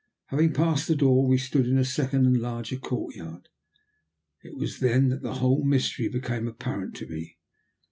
Having passed the door we stood in a second and larger courtyard, and it was then that the whole mystery became apparent to me.